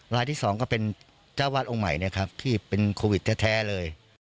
ที่สองก็เป็นเจ้าวาดองค์ใหม่นะครับที่เป็นโควิดแท้เลย